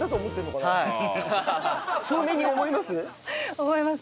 少年に思います？